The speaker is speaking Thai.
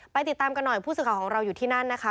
ติดตามกันหน่อยผู้สื่อข่าวของเราอยู่ที่นั่นนะคะ